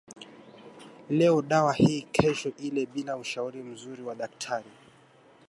Leo dawa hii kesho ile bila ushauri mzuri wa daktari